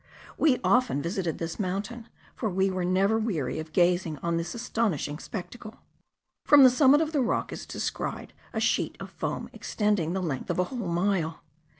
We often visited this mountain, for we were never weary of gazing on this astonishing spectacle. From the summit of the rock is descried a sheet of foam, extending the length of a whole mile.